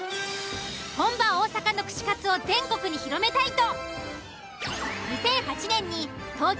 本場大阪の串カツを全国に広めたいと。